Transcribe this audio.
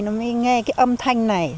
mới nghe cái âm thanh này